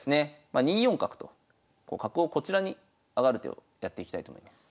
まあ２四角と角をこちらに上がる手をやっていきたいと思います。